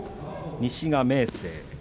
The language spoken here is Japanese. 西が明生